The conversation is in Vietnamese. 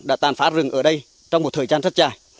đã tàn phá rừng ở đây trong một thời gian rất dài